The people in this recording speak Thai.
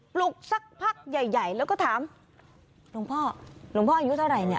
ปลุกสักพักใหญ่ใหญ่แล้วก็ถามหลวงพ่อหลวงพ่ออายุเท่าไหร่เนี่ย